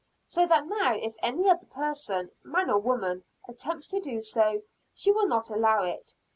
So that now if any other person, man or woman, attempts to do so, she will not allow it.